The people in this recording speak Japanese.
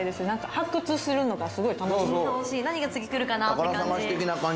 発掘するのがすごい楽しい何が次くるかなって感じ